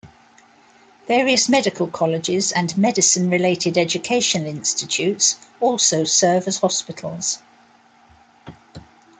Various medical colleges and medicine related educational institutes also serve as hospitals.